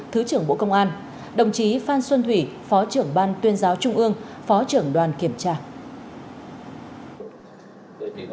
thứ trưởng bộ công an đồng chí phan xuân thủy phó trưởng ban tuyên giáo trung ương phó trưởng đoàn kiểm tra